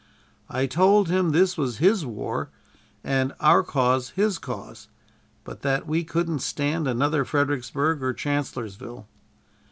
I told Him this was His war, and our cause His cause, but that we couldn't stand another Fredericksburg or Chancellorsville.